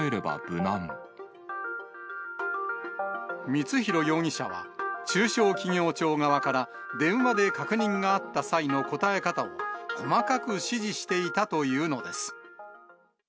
光弘容疑者は、中小企業庁側から電話で確認があった際の答え方を、細かく指示していたというのです。